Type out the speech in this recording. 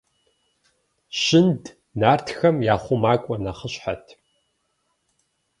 Щынд нартхэм я хъумакӀуэ нэхъыщхьэт.